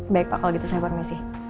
baik pak kalau gitu saya permisi